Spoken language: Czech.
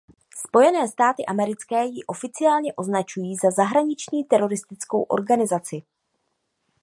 Spojené státy americké ji oficiálně označují za zahraniční teroristickou organizaci.